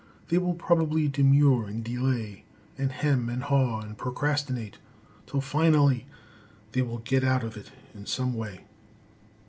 They will probably demur and delay, and hem and haw, and procrastinate, till finally they will get out of it in some way.